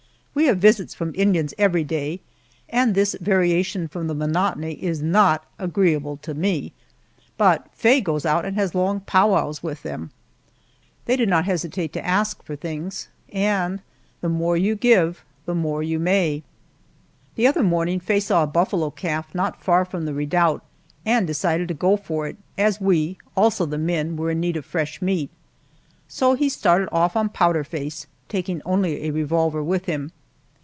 We have visits from Indians every day, and this variation from the monotony is not agreeable to me, but Faye goes out and has long powwows with them. They do not hesitate to ask for things, and the more you give the more you may. The other morning Faye saw a buffalo calf not far from the redoubt, and decided to go for it, as we, also the men, were in need of fresh meat. So he started off on Powder Face, taking only a revolver with him.